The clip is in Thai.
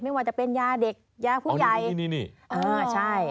ไม่ว่าจะเป็นยาเด็กยาผู้ใหญ่ใช่